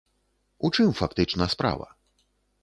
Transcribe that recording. У чым фактычна справа?